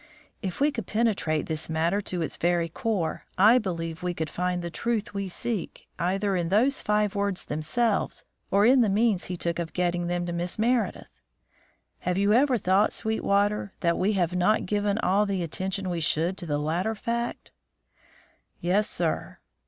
If we could penetrate this matter to its very core, I believe we should find the truth we seek either in those five words themselves or in the means he took of getting them to Miss Meredith. Have you ever thought, Sweetwater, that we have not given all the attention we should to the latter fact?" "Yes, sir."